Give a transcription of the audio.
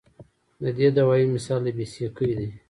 د دې دوائي مثال د بې ساکۍ دے